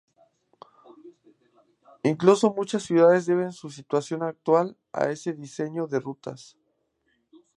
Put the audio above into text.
Incluso muchas ciudades deben su situación actual a ese diseño de rutas.